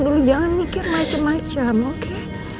dulu jangan mikir macam macam oke